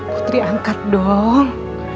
putri angkat dong